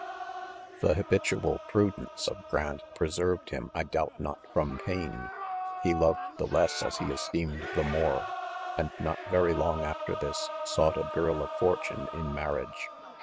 c The habitual prudence of Grant preserved him, I doubt not, from pain — lie loved the less as lie esteemed the more ; and not very long after this, sought a girl of fortune in marriage.